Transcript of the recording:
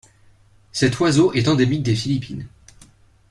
Cet oiseau est endémique des Philippines.